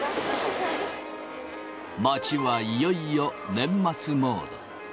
街はいよいよ年末モード。